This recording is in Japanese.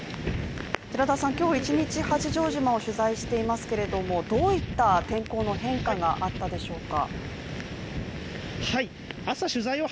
今日１日八丈島を取材していますけれどもどういった天候の変化があったでしょうか？